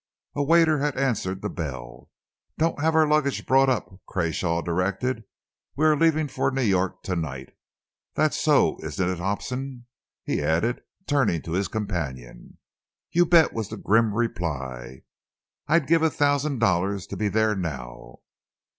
A waiter had answered the bell. "Don't have our luggage brought up," Crawshay directed. "We are leaving for New York to night. That's so, isn't it, Hobson?" he added, turning to his companion. "You bet!" was the grim reply. "I'd give a thousand dollars to be there now."